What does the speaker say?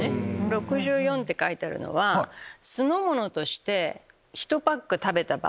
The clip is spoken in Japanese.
６４って書いてあるのは酢の物として１パック食べた場合。